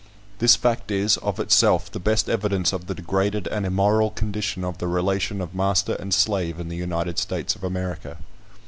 This fact is, of itself, the best evidence of the degraded and immoral condition of the relation of master and slave in the United States of America.